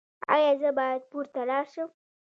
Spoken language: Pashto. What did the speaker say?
ایا زه باید پورته لاړ شم؟